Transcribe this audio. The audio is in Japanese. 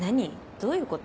どういうこと？